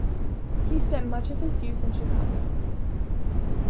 He spent much of his youth in Chicago.